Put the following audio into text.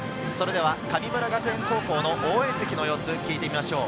神村学園高校の応援席の様子を聞いてみましょう。